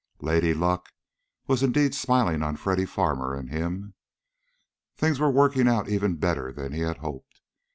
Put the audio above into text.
Lady Luck was indeed smiling on Freddy Farmer and him. Things were working out even better than he had hoped.